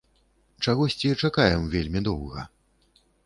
Чагосьці чакаем вельмі доўга.